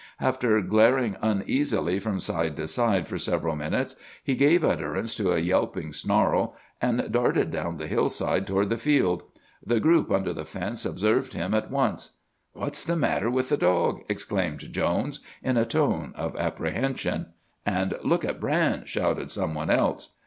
After glaring uneasily from side to side for several minutes, he gave utterance to a yelping snarl, and darted down the hillside toward the field. The group under the fence observed him at once. "'What's the matter with the dog?' exclaimed Jones, in a tone of apprehension; and 'Look at Bran!' shouted some one else.